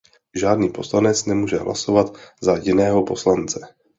Žádný poslanec nemůže hlasovat za jiného poslance.